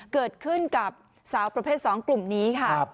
เกิดขึ้นกับสาวประเภท๒กลุ่มนี้ค่ะ